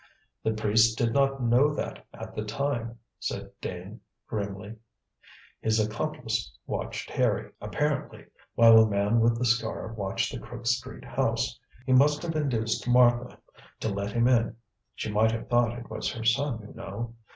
"The priest did not know that at the time," said Dane, grimly; "his accomplice watched Harry, apparently, while the man with the scar watched the Crook Street house. He must have induced Martha to let him in she might have thought it was her son, you know.